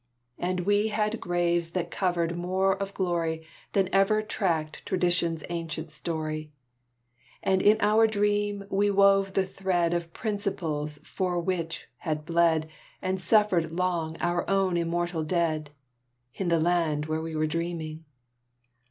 And we had graves that covered more of glory Than ever tracked tradition's ancient story; And in our dream we wove the thread Of principles for which had bled And suffered long our own immortal dead, In the land where we were dreaming.